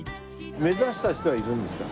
目指した人はいるんですか？